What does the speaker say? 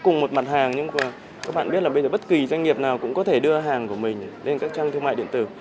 cùng một mặt hàng các bạn biết là bất kỳ doanh nghiệp nào cũng có thể đưa hàng của mình lên các trang thương mại điện tử